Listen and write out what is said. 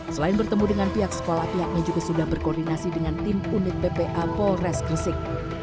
selain bertemu dengan pihak sekolah pihaknya juga sudah berkoordinasi dengan tim unit bpa polres gresik